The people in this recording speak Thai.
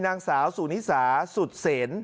นางสาวสุนิสาสุดเสน